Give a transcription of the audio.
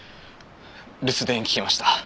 留守電聞きました。